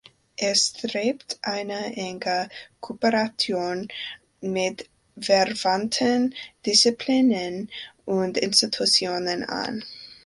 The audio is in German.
Er strebt eine enge Kooperation mit verwandten Disziplinen und Institutionen an.